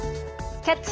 「キャッチ！